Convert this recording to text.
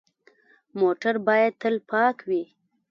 موټر باید تل پاک وي.